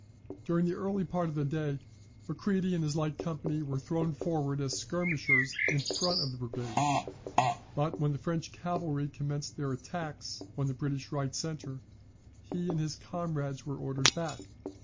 During the earlier part of the day Macready and his light company were thrown forward as skirmishers in front of the brigade; but when the French cavalry commenced their attacks on the British right centre, he and his comrades were ordered back.